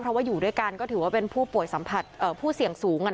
เพราะว่าอยู่ด้วยกันก็ถือว่าเป็นผู้เสี่ยงสูง